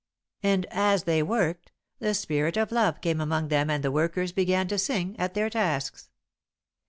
"And, as they worked, the Spirit of Love came among them and the workers began to sing at their tasks.